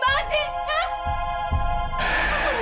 kamu berani banget sih